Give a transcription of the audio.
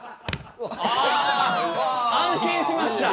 あ安心しました。